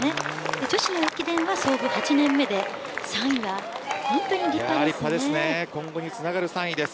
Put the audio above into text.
女子の駅伝は創部８年目で３位は本当に立派です。